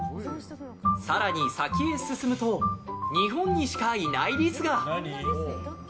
更に、先へ進むと日本にしかいないリスが。